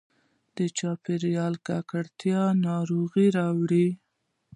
د چاپېریال ککړتیا ناروغي راوړي.